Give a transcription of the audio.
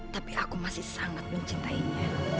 tapi aku masih sangat mencintainya